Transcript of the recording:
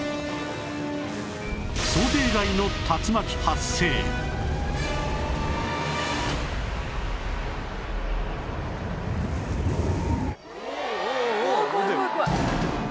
想定外の竜巻発生わあ怖い怖い怖い。